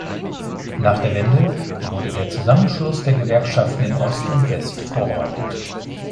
Nach der Wende wurde der Zusammenschluss der Gewerkschaften in Ost und West vorbereitet.